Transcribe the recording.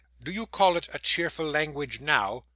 'Do you call it a cheerful language, now?